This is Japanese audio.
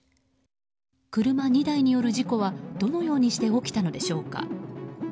車２台による事故はどのようにして起きたのでしょうか。